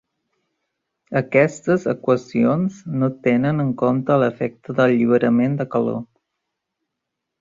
Aquestes equacions no tenen en compte l'efecte d'alliberament de calor.